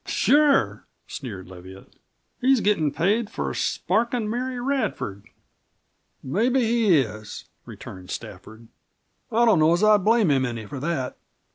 "Sure," sneered Leviatt; "he's gettin' paid for sparkin' Mary Radford." "Mebbe he is," returned Stafford. "I don't know as I'd blame him any for that.